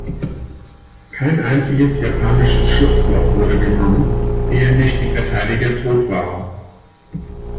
Kein einziges japanisches Schlupfloch wurde genommen, ehe nicht die Verteidiger tot waren.